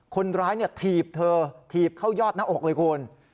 คนร้ายถีบเธอถีบเข้ายอดหน้าอกเลยคุณ